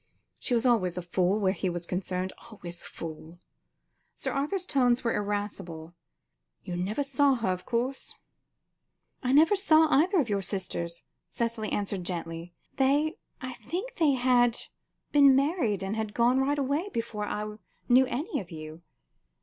She was always a fool where he was concerned, always a fool." Sir Arthur's tones were irascible; "you never saw her, of course?" "I never saw either of your sisters," Cicely answered gently; "they I think they had been married and had gone right away, long before I knew any of you.